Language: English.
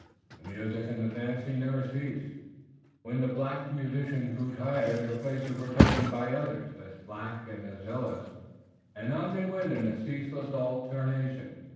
The music and the dancing never ceased. When the black musicians grew tired their places were taken by others as black and as zealous, and on they went in a ceaseless alternation.